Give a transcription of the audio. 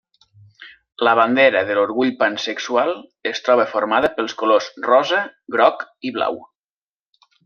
La bandera de l'orgull pansexual, es troba formada pels colors rosa, groc, i blau.